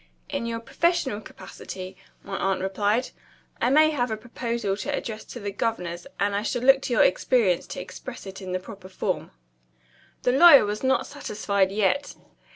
"In your professional capacity," my aunt replied. "I may have a proposal to address to the governors; and I shall look to your experience to express it in the proper form." The lawyer was not satisfied yet.